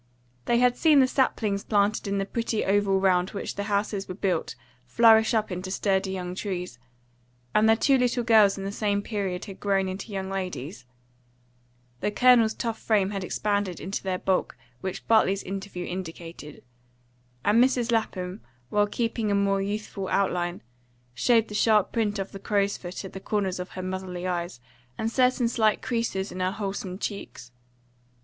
They had seen the saplings planted in the pretty oval round which the houses were built flourish up into sturdy young trees, and their two little girls in the same period had grown into young ladies; the Colonel's tough frame had expanded into the bulk which Bartley's interview indicated; and Mrs. Lapham, while keeping a more youthful outline, showed the sharp print of the crow's foot at the corners of her motherly eyes, and certain slight creases in her wholesome cheeks.